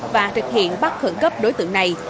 và thực hiện bắt khẩn cấp đối tượng này